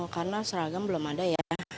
karena seragam belum ada ya